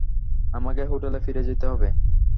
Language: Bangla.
আমাকে হোটেলে ফিরে যেতে হবে।